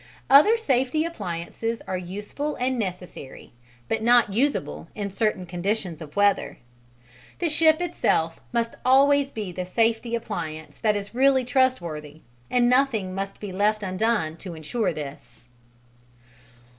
Other safety appliances are useful and necessary, but not useable in certain conditions of weather. The ship itself must always be the "safety appliance" that is really trustworthy, and nothing must be left undone to ensure this.